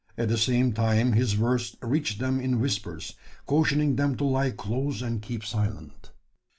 At the same time his words reached them in whispers, cautioning them to lie close and keep silent.